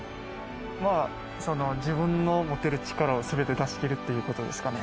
自分の持てる力を全て出し切るってことですかね。